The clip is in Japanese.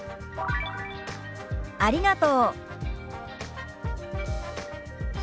「ありがとう」。